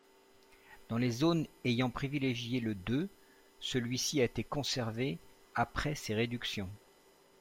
Dans les zones ayant privilégié le deux, celui-ci a été conservé après ces réductions.